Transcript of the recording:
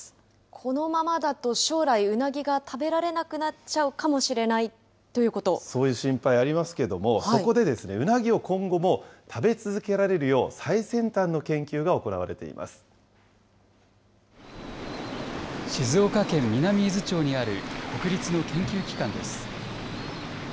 このままだと将来うなぎが食べられなくなっちゃうかもしれなそういう心配ありますけれども、そこで、うなぎを今後も食べ続けられるよう、最先端の研究が静岡県南伊豆町にある国立の研究機関です。